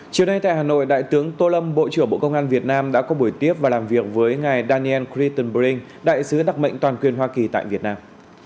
chiều nay tại hà nội đại tướng tô lâm bộ trưởng bộ công an việt nam đã có buổi tiếp và làm việc với ngài daniel criton brink đại sứ đặc mệnh toàn quyền hoa kỳ tại việt nam